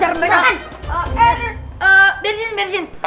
eee biar di sini biar di sini